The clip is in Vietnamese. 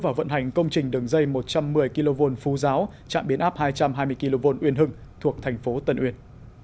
và vận hành công trình đường dây một trăm một mươi kv phú giáo trạm biến áp hai trăm hai mươi kv uyên hưng thuộc thành phố tân uyên